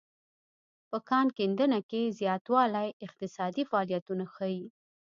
په کان کیندنه کې زیاتوالی اقتصادي فعالیتونه ښيي